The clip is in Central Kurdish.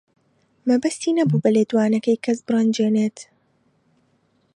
مەبەستی نەبوو بە لێدوانەکەی کەس بڕەنجێنێت.